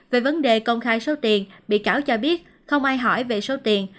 về vấn đề công khai số tiền bị cáo cho biết không ai hỏi về số tiền